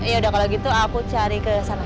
ya udah kalau gitu aku cari kesana